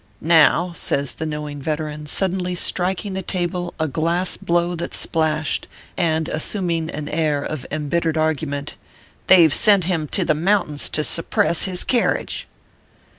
Now," says the knowing veteran, suddenly striking the table a glass blow that splashed, and as suming an air of embittered argument " they ve sent him to the mountains to suppress his kerridge."